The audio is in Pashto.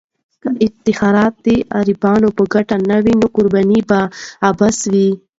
که افتخارات د غریبانو په ګټه نه وي، نو قرباني به عبث وي.